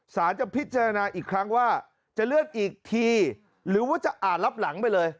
สารจะพิจารณาอีกครั้งว่าจะเลื่อนอีกทีหรือว่าจะอ่านรับหลังไปเลย